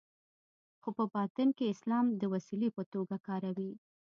خو په باطن کې اسلام د وسیلې په توګه کاروي.